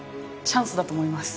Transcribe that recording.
チャンスだと思います。